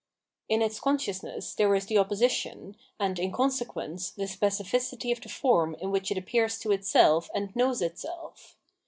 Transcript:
In its consciousness there is the opposition and in consequence the specificity of the form in which it appears to itself and knows itself.